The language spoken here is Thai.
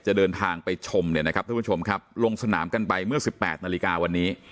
จะเดินทางไปชมลงสนามกันไปเมื่อ๑๘นาฬิกาวันนี้